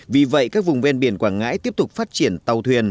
vì vậy các vùng ven biển quảng ngãi tiếp tục phát triển tàu thuyền